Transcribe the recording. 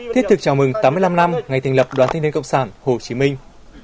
thiết thực chào mừng tám mươi năm năm ngày thành lập đoàn thanh niên cộng sản hồ chí minh